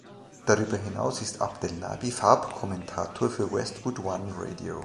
Darüber hinaus ist Abdelnaby Farbkommentator für Westwood One Radio.